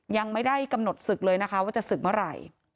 ยังไม่ได้กำหนดศึกเลยนะคะว่าจะศึกเมื่อไหร่